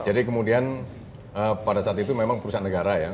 jadi kemudian pada saat itu memang perusahaan negara ya